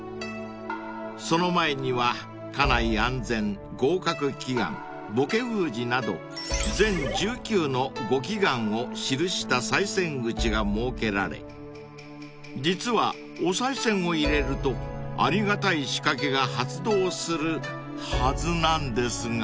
［その前には家内安全合格祈願ぼけ封じなど全１９のご祈願を記したさい銭口が設けられ実はおさい銭を入れるとありがたい仕掛けが発動するはずなんですが］